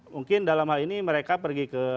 mungkin dalam hal ini mereka pergi ke